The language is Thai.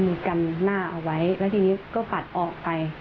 มือกันหน้าเอาไว้ทีนี้ก็ปัดออกไป